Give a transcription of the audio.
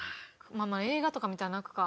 まあまあ映画とか見たら泣くか。